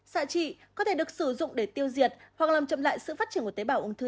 xạ trị có thể được sử dụng để tiêu diệt hoặc làm chậm lại sự phát triển của tế bào ung thư